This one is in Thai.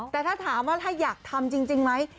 แต่ถ้าถามว่าถ้าอยากทำจริงไหม